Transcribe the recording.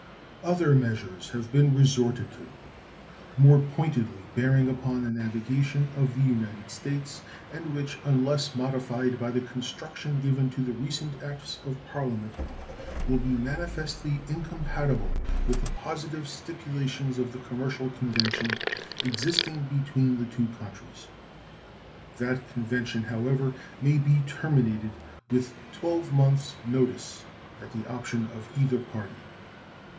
Other measures have been resorted to more pointedly bearing upon the navigation of the United States, and more pointedly bearing upon the navigation of the United States, and which, unless modified by the construction given to the recent acts of Parliament, will be manifestly incompatible with the positive stipulations of the commercial convention existing between the two countries. That convention, however, may be terminated with 12 months' notice, at the option of either party.